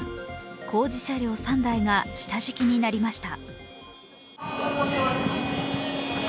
工事車両３台が下敷きになりました